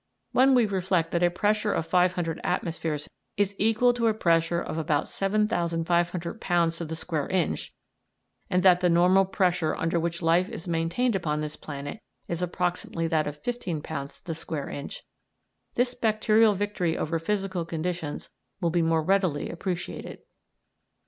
When we reflect that a pressure of 500 atmospheres is equal to a pressure of about 7,500 pounds to the square inch, and that the normal pressure under which life is maintained upon this planet is approximately that of fifteen pounds to the square inch, this bacterial victory over physical conditions will be more readily appreciated.